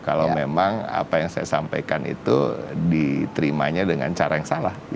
kalau memang apa yang saya sampaikan itu diterimanya dengan cara yang salah